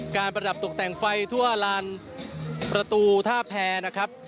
ประดับตกแต่งไฟทั่วลานประตูท่าแพรนะครับ